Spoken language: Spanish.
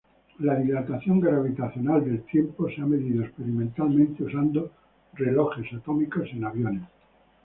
La dilatación gravitacional del tiempo se ha medido experimentalmente usando relojes atómicos en aviones.